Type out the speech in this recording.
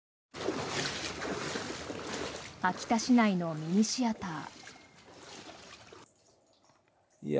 秋田市内のミニシアター。